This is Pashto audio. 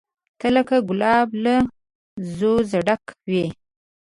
ته لکه ګلاب له ځوزه ډکه وې